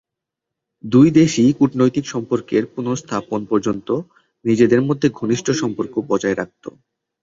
দুই দেশই কূটনৈতিক সম্পর্কের পুনঃস্থাপন পর্যন্ত নিজেদের মধ্যে ঘনিষ্ঠ সম্পর্ক বজায় রাখত।